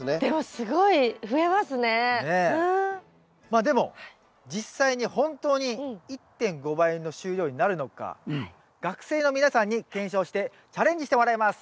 まあでも実際に本当に１．５倍の収量になるのか学生の皆さんに検証してチャレンジしてもらいます。